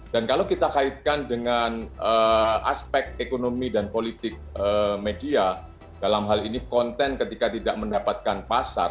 dan kalau kita kaitkan dengan aspek ekonomi dan politik media dalam hal ini konten ketika tidak mendapatkan pasar